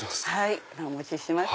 お持ちします